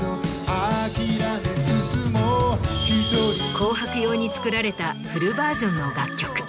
『紅白』用に作られたフルバージョンの楽曲。